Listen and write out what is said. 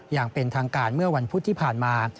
อย่างเป็นทางการเมื่อวันพุธที่ผ่านมา